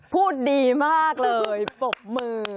พูดดีมากเลยปรบมือ